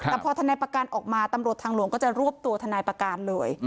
แต่พอทนายประกันออกมาตำรวจทางหลวงก็จะรวบตัวทนายประการเลย